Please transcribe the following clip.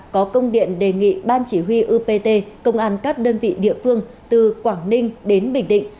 có công điện đề nghị ban chỉ huy upt công an các đơn vị địa phương từ quảng ninh đến bình định